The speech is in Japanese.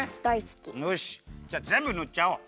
よしぜんぶぬっちゃおう。